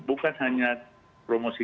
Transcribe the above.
bukan hanya promosi